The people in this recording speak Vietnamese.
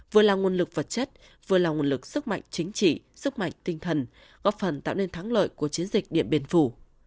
vừa là nguồn lực vật chất vừa là nguồn lực sức mạnh chính trị sức mạnh tinh thần góp phần tạo nên thắng lợi của chiến dịch điện biên phủ